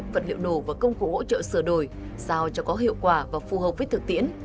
vật liệu nổ và công cụ hỗ trợ sửa đổi sao cho có hiệu quả và phù hợp với thực tiễn